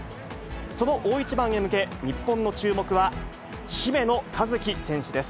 その大一番へ向け、日本の注目は姫野和樹選手です。